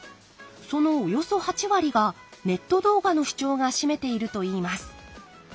そのおよそ８割がネット動画の視聴が占めているといいます。